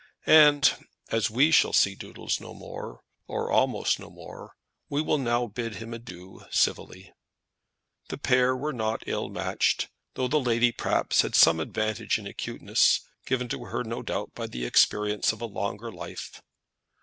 And as we shall see Doodles no more, or almost no more, we will now bid him adieu civilly. The pair were not ill matched, though the lady perhaps had some advantage in acuteness, given to her no doubt by the experience of a longer life.